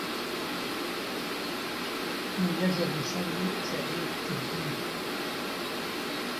من لقلب يصلى سعير تجنيك